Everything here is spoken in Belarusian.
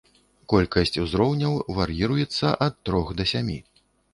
Колькасць узроўняў вар'іруецца ад трох да сямі.